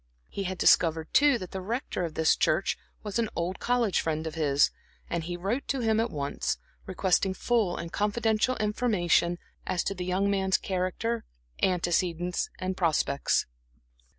He had discovered, too, that the Rector of this church was an old college friend of his, and he wrote to him at once, requesting full and confidential information as to the young man's character, antecedents, and prospects.